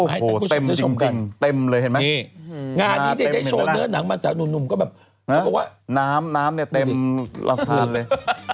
โอ้โหเต็มจริงเต็มเลยเห็นไหมงานนี้ได้โชว์เนื้อหนังมาสักหนุ่มก็แบบน้ำเนี่ยเต็มละพราบเลย